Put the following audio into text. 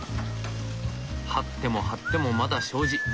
張っても張ってもまだ障子。